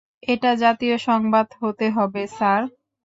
এটা জাতীয় সংবাদ হতে হবে, স্যার।